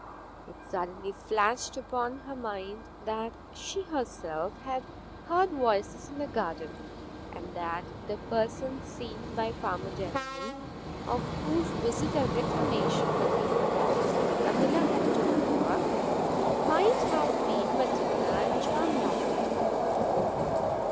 It suddenly flashed upon her mind that she herself had heard voices in the garden, and that the persons seen by Farmer Derriman, of whose visit and reclamation of his box the miller had told her, might have been Matilda and John Loveday.